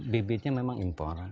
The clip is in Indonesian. bibitnya memang impor